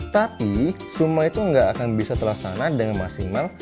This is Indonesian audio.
tapi semua itu nggak akan bisa terlaksana dengan maksimal